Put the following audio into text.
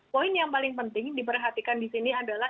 poin yang paling penting diperhatikan di sini adalah